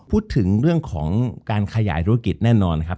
พูดถึงเรื่องของการขยายธุรกิจแน่นอนครับ